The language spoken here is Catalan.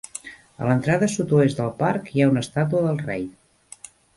A l'entrada sud-oest del parc hi ha una estàtua del rei.